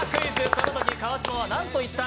そのとき川島はなんと言った？」